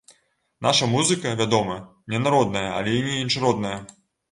Наша музыка, вядома, не народная, але і не іншародная.